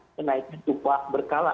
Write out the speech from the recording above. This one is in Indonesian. kenaikan upah berkala